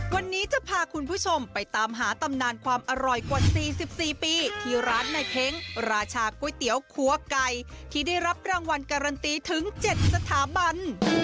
วันนี้จะพาคุณผู้ชมไปตามหาตำนานความอร่อยกว่า๔๔ปีที่ร้านในเพ้งราชาก๋วยเตี๋ยวคัวไก่ที่ได้รับรางวัลการันตีถึง๗สถาบัน